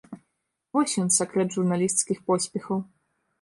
Вось ён, сакрэт журналісцкіх поспехаў!